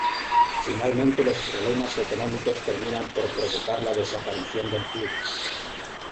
Finalmente los problemas económicos terminan por provocar la desaparición del club.